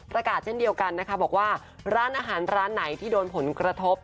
ประกาศเช่นเดียวกันนะคะบอกว่าร้านอาหารร้านไหนที่โดนผลกระทบ